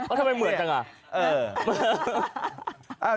อ้าวทำไมเหมือนจังอ่ะเออ